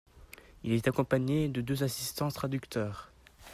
Il est accompagné de deux assistants traducteurs.